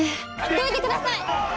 どいてください！